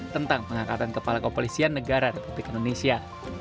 tentang pengangkatan kepala kepolisian negara republik indonesia